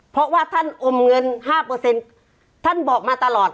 เพราะว่าท่านอมเงินห้าเปอร์เซ็นต์ท่านบอกมาตลอด